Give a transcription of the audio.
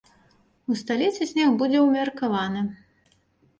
У сталіцы снег будзе ўмеркаваны.